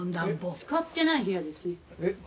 「使ってない部屋ですね」